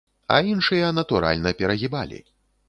А іншыя, натуральна, перагібалі.